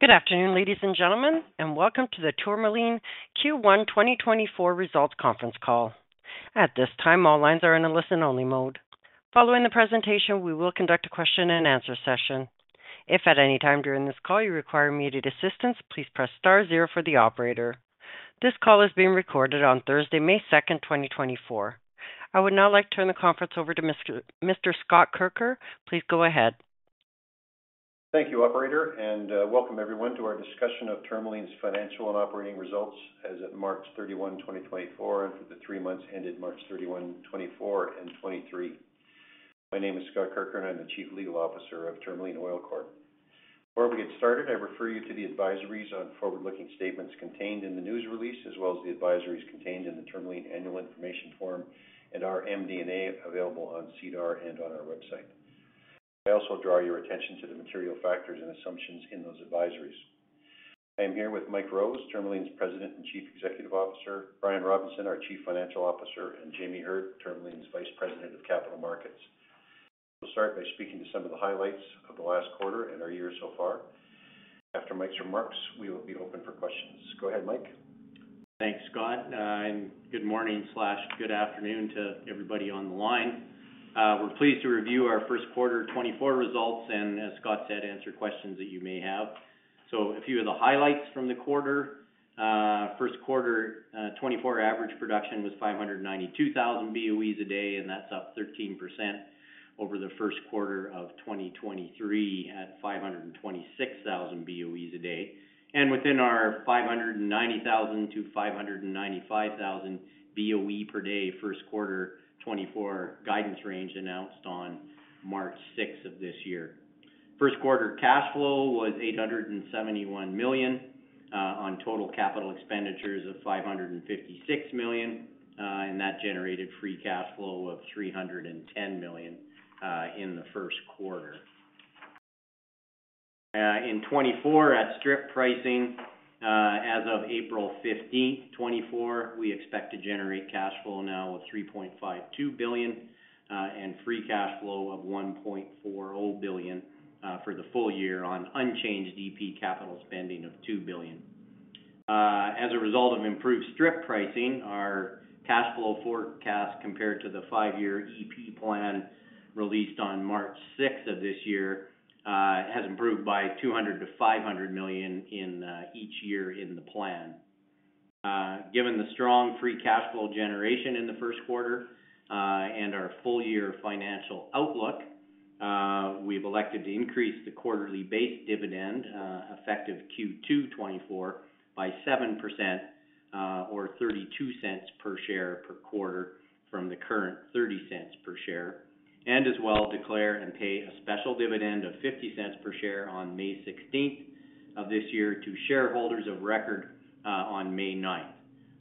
Good afternoon, ladies and gentlemen, and welcome to the Tourmaline Q1 2024 results conference call. At this time, all lines are in a listen-only mode. Following the presentation, we will conduct a question-and-answer session. If at any time during this call you require immediate assistance, please press star zero for the operator. This call is being recorded on Thursday, May 2, 2024. I would now like to turn the conference over to Mr. Scott Kirker. Please go ahead. Thank you, Operator, and welcome everyone to our discussion of Tourmaline's financial and operating results as of March 31, 2024, and for the three months ended March 31, 2024, and 2023. My name is Scott Kirker, and I'm the Chief Legal Officer of Tourmaline Oil Corp. Before we get started, I refer you to the advisories on forward-looking statements contained in the news release, as well as the advisories contained in the Tourmaline annual information form and our MD&A available on SEDAR+ and on our website. I also draw your attention to the material factors and assumptions in those advisories. I am here with Mike Rose, Tourmaline's President and Chief Executive Officer, Brian Robinson, our Chief Financial Officer, and Jamie Heard, Tourmaline's Vice President of Capital Markets. We'll start by speaking to some of the highlights of the last quarter and our year so far. After Mike's remarks, we will be open for questions. Go ahead, Mike. Thanks, Scott. And good morning/good afternoon to everybody on the line. We're pleased to review our first quarter 2024 results and, as Scott said, answer questions that you may have. So a few of the highlights from the quarter. First quarter 2024 average production was 592,000 BOEs a day, and that's up 13% over the first quarter of 2023 at 526,000 BOEs a day. And within our 590,000-595,000 BOE per day first quarter 2024 guidance range announced on March 6 of this year. First quarter cash flow was 871 million, on total capital expenditures of 556 million, and that generated free cash flow of 310 million, in the first quarter. In 2024, at strip pricing, as of April 15, 2024, we expect to generate cash flow of 3.52 billion, and free cash flow of 1.40 billion, for the full year on unchanged EP capital spending of 2 billion. As a result of improved strip pricing, our cash flow forecast compared to the five-year EP plan released on March 6 of this year, has improved by 200 million to 500 million in each year in the plan. Given the strong free cash flow generation in the first quarter, and our full-year financial outlook, we've elected to increase the quarterly-based dividend, effective Q2 2024, by 7%, or 0.32 per share per quarter from the current 0.30 per share, and as well declare and pay a special dividend of 0.50 per share on May 16 of this year to shareholders of record, on May 9.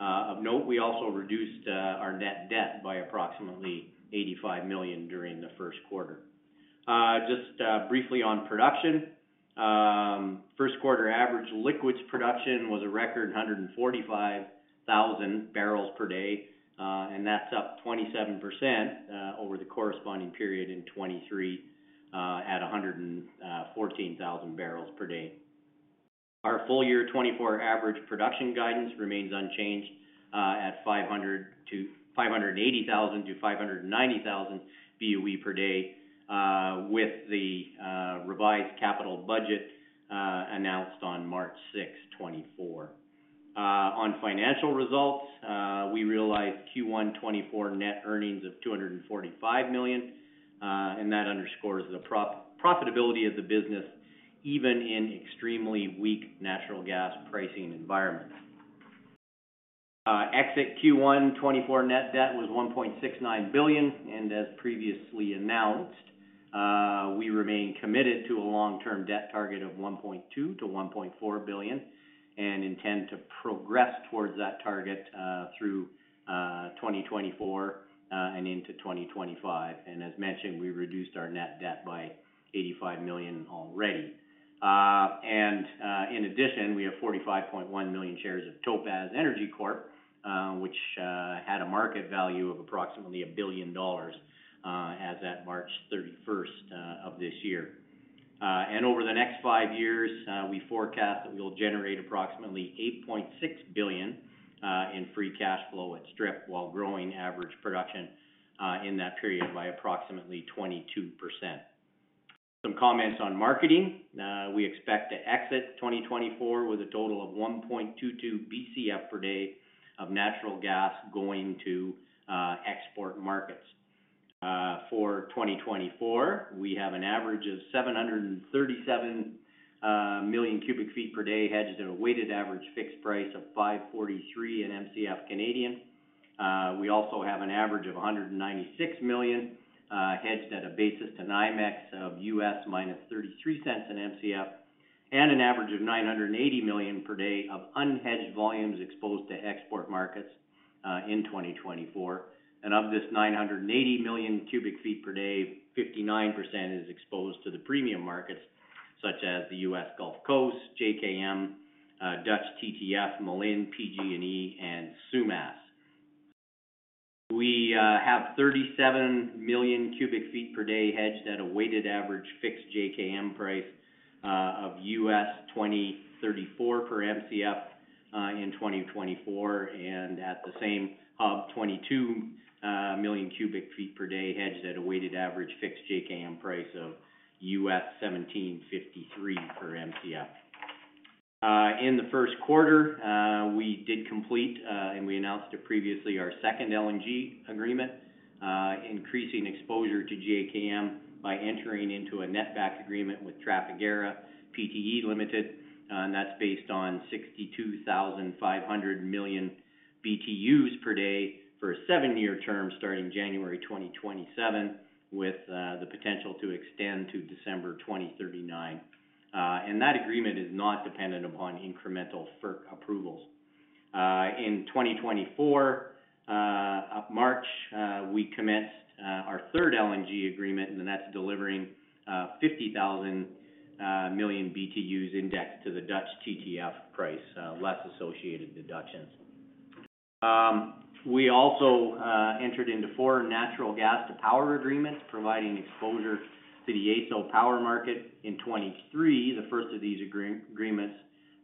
Of note, we also reduced our net debt by approximately 85 million during the first quarter. Just briefly on production. First quarter average liquids production was a record 145,000 barrels per day, and that's up 27% over the corresponding period in 2023, at 114,000 barrels per day. Our full-year 2024 average production guidance remains unchanged, at 500 to 580,000 to 590,000 BOE per day, with the revised capital budget announced on March 6, 2024. On financial results, we realized Q1 2024 net earnings of 245 million, and that underscores the pro-profitability of the business even in extremely weak natural gas pricing environments. Exit Q1 2024 net debt was 1.69 billion, and as previously announced, we remain committed to a long-term debt target of 1.2 billion-1.4 billion and intend to progress towards that target through 2024 and into 2025. As mentioned, we reduced our net debt by 85 million already. In addition, we have 45.1 million shares of Topaz Energy Corp., which had a market value of approximately 1 billion dollars as at March 31st of this year. Over the next 5 years, we forecast that we'll generate approximately 8.6 billion in free cash flow at strip while growing average production in that period by approximately 22%. Some comments on marketing. We expect to exit 2024 with a total of 1.22 BCF per day of natural gas going to export markets. For 2024, we have an average of 737 million cubic feet per day hedged at a weighted average fixed price of 5.43/MCF. We also have an average of 196 million hedged at a basis to NYMEX of $ -0.33/MCF, and an average of 980 million per day of unhedged volumes exposed to export markets, in 2024. Of this 980 million cubic feet per day, 59% is exposed to the premium markets such as the US Gulf Coast, JKM, Dutch TTF, Moline, PG&E, and Sumas. We have 37 million cubic feet per day hedged at a weighted average fixed JKM price of $20.34/MCF, in 2024, and at the same hub, 22 million cubic feet per day hedged at a weighted average fixed JKM price of $17.53/MCF. In the first quarter, we did complete and we announced it previously, our second LNG agreement, increasing exposure to JKM by entering into a net-back agreement with Trafigura Pte. Ltd., and that's based on 62,500 million BTUs per day for a seven-year term starting January 2027 with the potential to extend to December 2039. That agreement is not dependent upon incremental FERC approvals. In 2024 up to March, we commenced our third LNG agreement, and that's delivering 50,000 million BTUs indexed to the Dutch TTF price, less associated deductions. We also entered into four natural gas-to-power agreements providing exposure to the AESO power market. In 2023, the first of these agreements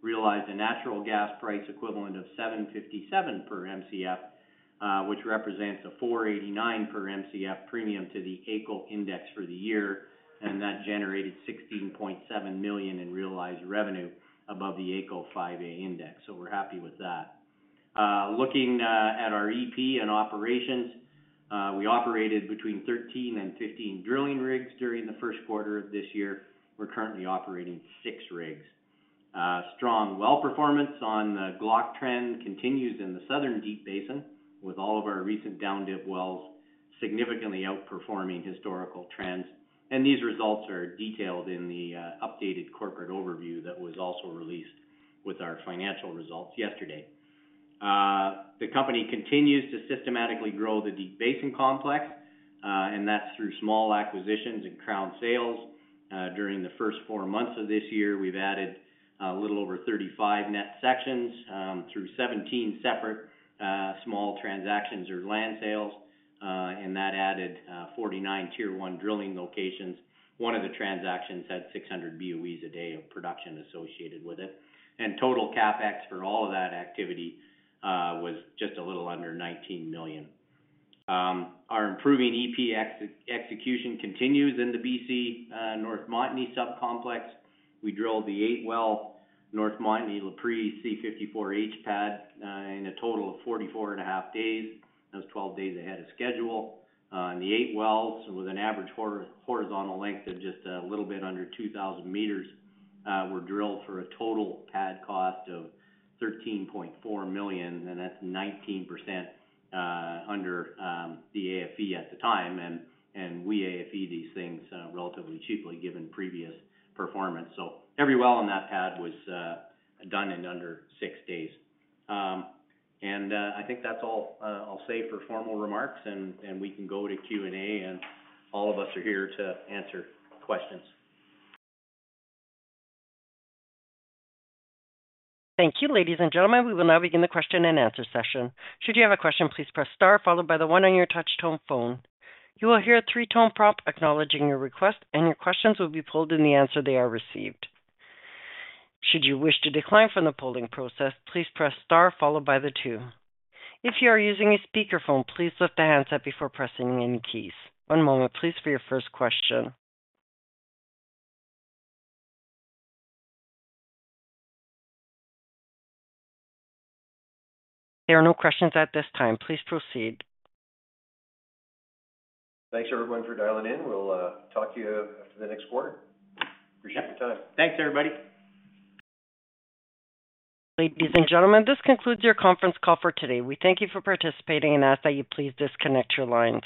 realized a natural gas price equivalent of 757 per MCF, which represents a 489 per MCF premium to the AECO index for the year, and that generated 16.7 million in realized revenue above the AECO 5A index, so we're happy with that. Looking at our EP and operations, we operated between 13 and 15 drilling rigs during the first quarter of this year. We're currently operating six rigs. Strong well performance on the Glock trend continues in the Southern Deep Basin with all of our recent down-dip wells significantly outperforming historical trends, and these results are detailed in the updated corporate overview that was also released with our financial results yesterday. The company continues to systematically grow the Deep Basin complex, and that's through small acquisitions and crown sales. During the first four months of this year, we've added a little over 35 net sections through 17 separate small transactions or land sales, and that added 49 tier-one drilling locations. One of the transactions had 600 BOEs a day of production associated with it, and total CapEx for all of that activity was just a little under 19 million. Our improving EP execution continues in the BC North Montney subcomplex. We drilled the eight-well North Montney LaPrix C54H pad in a total of 44.5 days. That was 12 days ahead of schedule. And the eight wells with an average horizontal length of just a little bit under 2,000 meters were drilled for a total pad cost of 13.4 million, and that's 19% under the AFE at the time, and we AFE these things relatively cheaply given previous performance. So every well in that pad was done in under six days. And I think that's all, I'll say for formal remarks, and, and we can go to Q&A, and all of us are here to answer questions. Thank you, ladies and gentlemen. We will now begin the question-and-answer session. Should you have a question, please press star followed by one on your touch tone phone. You will hear a 3-tone prompt acknowledging your request, and your questions will be polled in the order they are received. Should you wish to decline from the polling process, please press star followed by two. If you are using a speakerphone, please lift the handset before pressing any keys. One moment, please, for your first question. There are no questions at this time. Please proceed. Thanks, everyone, for dialing in. We'll talk to you after the next quarter. Appreciate your time. Thanks, everybody. Ladies and gentlemen, this concludes your conference call for today. We thank you for participating and ask that you please disconnect your line.